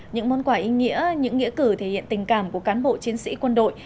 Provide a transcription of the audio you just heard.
những món quà ý nghĩa những nghĩa cử thể hiện tình cảm của cán bộ chiến sĩ quân đội